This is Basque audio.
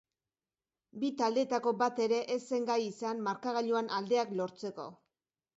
Bi taldeetako bat ere ez zen gai izan markagailuan aldeak lortzeko.